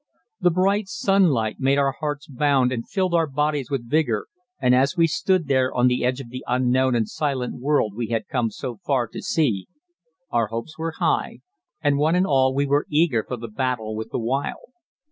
The bright sunlight made our hearts bound and filled our bodies with vigour, and as we stood there on the edge of the unknown and silent world we had come so far to see, our hopes were high, and one and all we were eager for the battle with the wild.